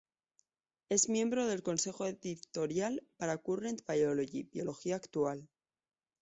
Es miembro del consejo editorial para Current Biology, "Biología Actual".